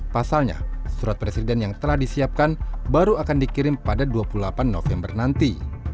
pasalnya surat presiden yang telah disiapkan baru akan dikirim pada dua puluh delapan november nanti